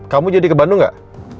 kamu jadi ke bandung gak